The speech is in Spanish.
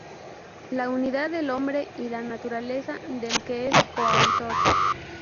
La unidad del hombre y la naturaleza", del que es coautor.